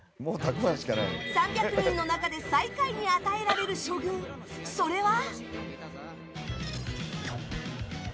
３００人の中で最下位に与えられる処遇それは。